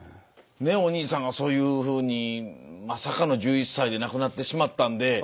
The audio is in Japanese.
お兄さんがそういうふうにまさかの１１歳で亡くなってしまったんで。